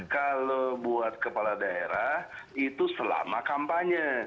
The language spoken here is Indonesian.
kalau buat kepala daerah itu selama kampanye